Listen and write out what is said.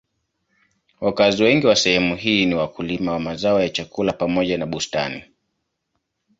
Wakazi wengi wa sehemu hii ni wakulima wa mazao ya chakula pamoja na bustani.